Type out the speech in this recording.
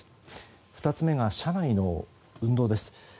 ２つ目が車内での運動です。